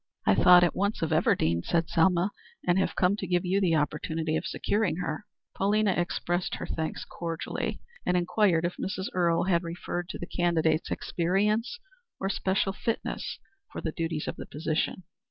"I thought at once of Everdean," said Selma, "and have come to give you the opportunity of securing her." Pauline expressed her thanks cordially, and inquired if Mrs. Earle had referred to the candidate's experience or special fitness for the duties of the position.